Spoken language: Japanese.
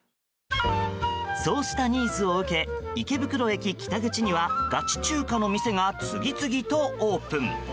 そうしたニーズを受け池袋駅北口にはガチ中華の店が次々とオープン。